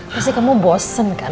pasti kamu bosen kan